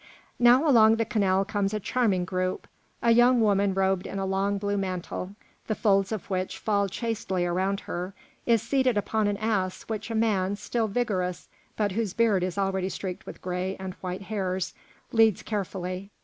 Now along the canal comes a charming group: a young woman robed in a long blue mantle, the folds of which fall chastely around her, is seated upon an ass which a man, still vigorous but whose beard is already streaked with gray and white hairs, leads carefully.